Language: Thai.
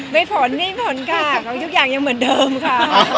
ไม่ผ่อนไม่ผ่อนค่ะทุกอย่างยังเหมือนเดิมค่ะ